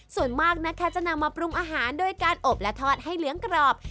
ส่วนมากนะคะจะนำมาปรุงอาหารโดยการอบและทอดให้เหลืองกรอบ